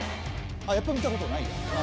やっぱ見たことないや。